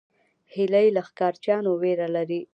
هیلۍ له ښکار چیانو ویره لري